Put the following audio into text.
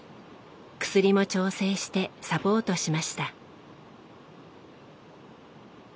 薬も調整してサポートしました。